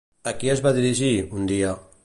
A qui es va dirigir, un dia?